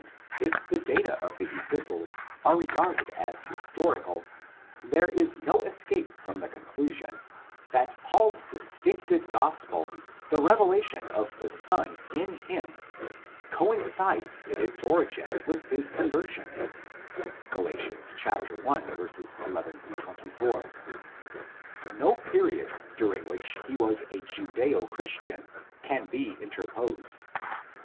And, if the data of the Epistles are regarded as historical, there is no escape from the conclusion that Paul's distinctive Gospel, the revelation of the Son in him, coincides in its origin with his conversion (Gal. 1. 11 24). No period during which he was a Judso Christian can be interposed.